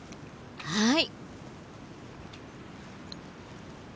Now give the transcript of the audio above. はい！